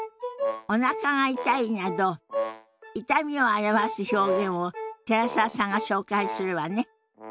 「おなかが痛い」など痛みを表す表現を寺澤さんが紹介するわね。